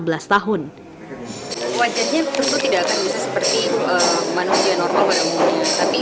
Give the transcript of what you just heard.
wajahnya tentu tidak akan bisa seperti manusia normal pada umumnya